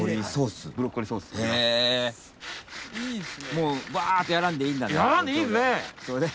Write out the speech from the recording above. もうバーッてやらんでいいんだね。